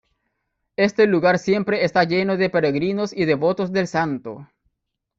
Este lugar siempre está lleno de peregrinos y devotos del santo.